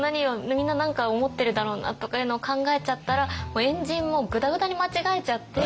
みんな何か思ってるだろうな」とかいうのを考えちゃったらもう円陣もぐだぐだに間違えちゃって。